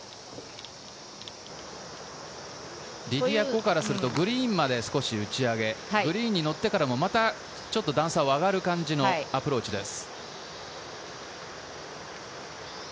リディア・コからすると、グリーンまで少し打ち上げ、グリーンに乗ってからも、またちょっと段差を上がる感じのアプローチです。